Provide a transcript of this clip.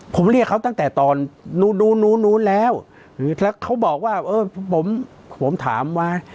ผมเรียกเขาตั้งแต่ตอนนู้นแล้วเขาบอกว่าเออผมผมถามว่า